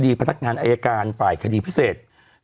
พนักงานอายการฝ่ายคดีพิเศษ